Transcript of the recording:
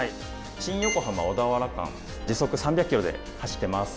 新横浜・小田原間時速３００ｋｍで走ってます。